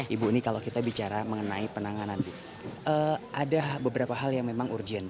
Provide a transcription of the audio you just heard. ibu ini kalau kita bicara mengenai penanganan ada beberapa hal yang memang urgent